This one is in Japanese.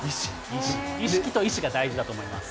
意識と意思が大事だと思います。